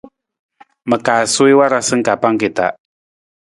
Ma kaa suwii warasa ka pangki ta.